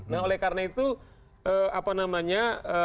nah oleh karena itu apa namanya